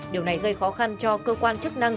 điều này gây khó khăn cho cơ quan chức năng